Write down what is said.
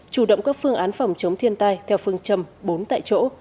chủ động các phương án phòng chống thiên tai theo phương châm bốn tại chỗ